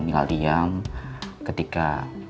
tinggal diam ketika